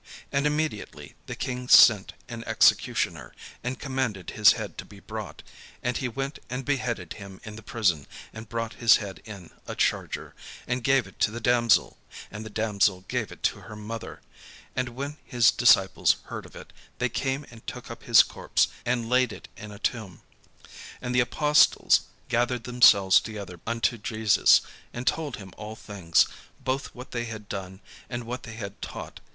And immediately the king sent an executioner, and commanded his head to be brought: and he went and beheaded him in the prison, and brought his head in a charger, and gave it to the damsel: and the damsel gave it to her mother. And when his disciples heard of it, they came and took up his corpse, and laid it in a tomb. And the apostles gathered themselves together unto Jesus, and told him all things, both what they had done, and what they had taught.